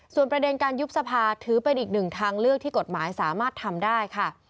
ส่วนประเด็นการยุบสภาถือเป็นอีกหนึ่งทางเลือกที่กฎหมายสามารถทำได้ค่ะ